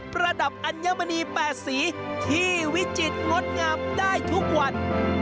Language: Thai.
ระดับอัญมณี๘สีที่วิจิตรงดงามได้ทุกวัน